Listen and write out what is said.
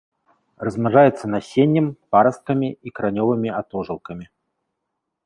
Размнажаецца насеннем, парасткамі і каранёвымі атожылкамі.